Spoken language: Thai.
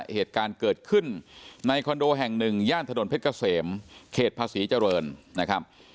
เหตุการณ์เกิดขึ้นในคอนโดแห่งหนึ่งย่านถนนเพชรเกษมเขตภาษีเจริญนะครับ